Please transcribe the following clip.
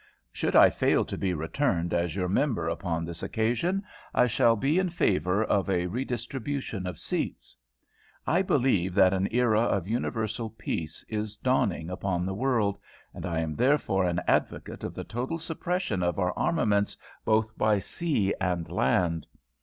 "Should I fail to be returned as your member upon this occasion, I shall be in favour of a redistribution of seats. "I believe that an era of universal peace is dawning upon the world, and I am therefore an advocate of the total suppression of our armaments both by sea and land.